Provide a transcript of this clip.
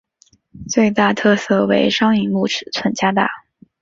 最大特色为双萤幕尺寸加大。